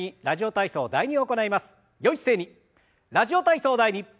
「ラジオ体操第２」。